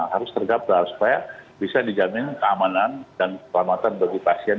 harus tergabah supaya bisa dijamin keamanan dan kelamatan bagi pasien